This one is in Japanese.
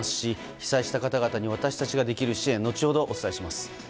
被災した方々に私たちができる支援後ほどお伝えします。